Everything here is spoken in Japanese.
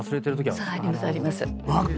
ありますあります。